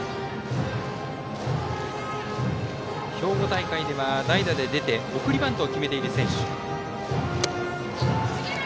兵庫大会では代打で出て送りバントを決めている選手。